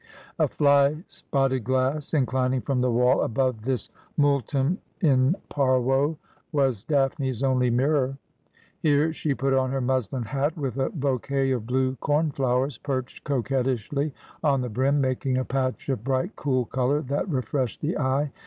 A fly spotted glass, inclining from the wall above this multum in parvo, was Daphne's only mirror. Here she put on her muslin hat, with a bouquet of blue corn flowers perched coquettishly on the brim, making a patch of bright cool colour that refreshed the eye.